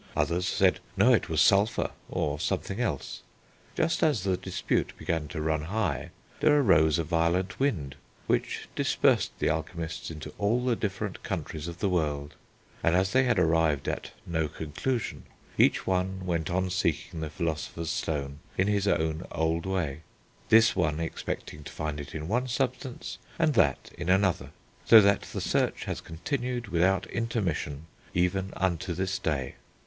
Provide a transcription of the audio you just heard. Others said, no, it was sulphur, or something else.... Just as the dispute began to run high, there arose a violent wind, which dispersed the Alchemists into all the different countries of the world; and as they had arrived at no conclusion, each one went on seeking the Philosopher's Stone in his own old way, this one expecting to find it in one substance, and that in another, so that the search has continued without intermission even unto this day.